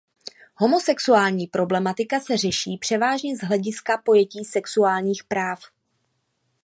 Homosexuální problematika se řeší převážně z hlediska pojetí sexuálních práv.